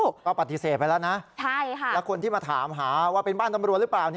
ก็ปฏิเสธไปแล้วนะแล้วคนที่มาถามหาว่าเป็นบ้านตำรวจหรือเปล่า